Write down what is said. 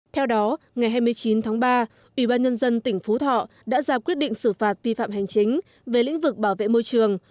theo đó ngày hai mươi chín tháng ba ủy ban nhân dân tỉnh phú thọ đã ra quyết định xử phạt vi phạm hành chính về lĩnh vực bảo vệ môi trường